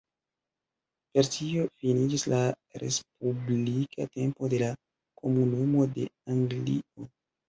Per tio finiĝis la respublika tempo de la "Komunumo de Anglio".